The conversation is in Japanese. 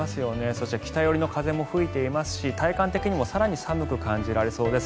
そして北寄りの風も吹いていますし体感的にも更に寒く感じられそうです。